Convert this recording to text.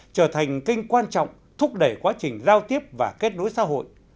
trở thành kênh quan trọng thúc đẩy quá trình giao tiếp và kết nối xã hội